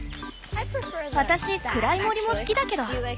私暗い森も好きだけど。